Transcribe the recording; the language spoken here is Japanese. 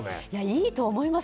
いいと思います。